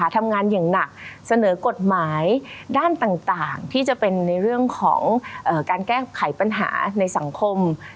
ทำงานอย่างหนักเสนอกฎหมายด้านต่างที่จะเป็นในเรื่องของการแก้ไขปัญหาในสังคม